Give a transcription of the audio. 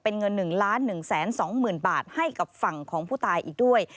เป็นเงิน๑๑๒๐๐๐บาทให้กับฝั่งของผู้ตายอีกด้วย